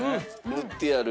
塗ってある。